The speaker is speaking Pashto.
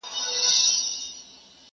که موچي غریب سي مړ قصاب ژوندی وي٫